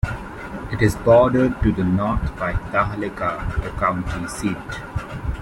It is bordered to the north by Tahlequah, the county seat.